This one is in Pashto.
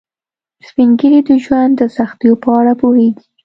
سپین ږیری د ژوند د سختیو په اړه پوهیږي